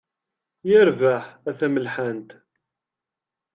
Yerbeḥ a tamelḥant.